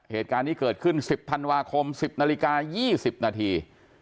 เหตุการณ์นี้เกิดขึ้น๑๐ธันวาคม๑๐นาฬิกา๒๐นาที